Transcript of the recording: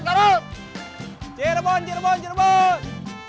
karena masih masih utuh